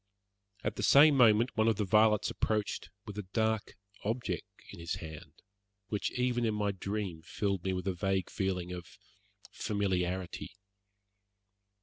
At the same moment one of the varlets approached with a dark object in his hand, which even in my dream filled me with a vague feeling of familiarity.